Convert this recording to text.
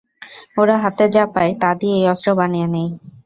ওরা হাতে যা পায় তা দিয়েই অস্ত্র বানিয়ে নেয়।